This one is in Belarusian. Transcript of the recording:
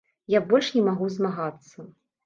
Я больш не магу змагацца.